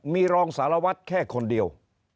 มีรองสารวัตรแค่คนเดียว